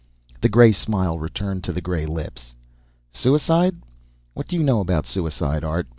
The gray smile returned to the gray lips. "Suicide? What do you know about suicide, Art?